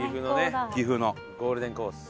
岐阜のねゴールデンコース。